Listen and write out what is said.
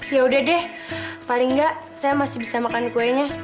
yaudah deh paling nggak saya masih bisa makan kuenya